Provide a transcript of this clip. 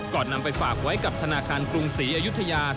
นำไปฝากไว้กับธนาคารกรุงศรีอยุธยา